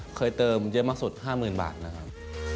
เคยเติมเยอะมากสุด๕๐๐๐บาทนะครับ